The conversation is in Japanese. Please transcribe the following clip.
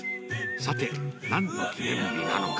さて、なんの記念日なのか。